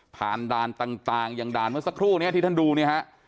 ด่านต่างอย่างด่านเมื่อสักครู่นี้ที่ท่านดูเนี่ยฮะ